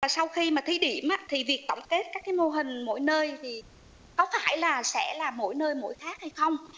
sau khi thí điểm việc tổng kết các mô hình mỗi nơi có phải sẽ là mỗi nơi mỗi khác hay không